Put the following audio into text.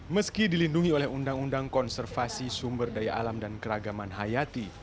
meski dilindungi oleh undang undang konservasi sumber daya alam dan keragaman hayati